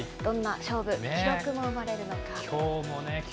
どんな勝負、記録が生まれるのか。